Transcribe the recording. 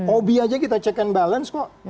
hobi aja kita check and balance kok